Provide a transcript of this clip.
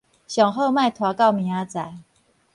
上好莫拖到明仔載